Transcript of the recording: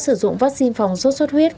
sử dụng vắc xin phòng sốt xuất huyết